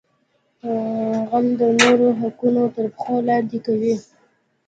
غل د نورو حقونه تر پښو لاندې کوي